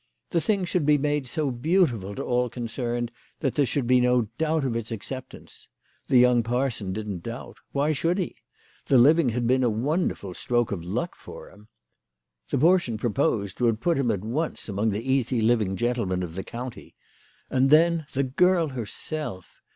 The thing should be made so beautiful to all concerned that there should be no doubt of its acceptance. The young parson didn't doubt. "Why should he? The living had been a wonderful stroke of luck for him ! The portion proposed would put him at once among the easy living gentlemen of the county; and then the girl herself!